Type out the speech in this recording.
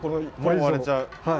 もう割れちゃう。